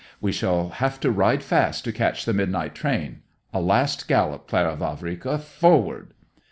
"We shall have to ride fast to catch the midnight train. A last gallop, Clara Vavrika. Forward!"